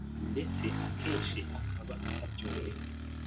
ndetse akenshi akaba atabyumva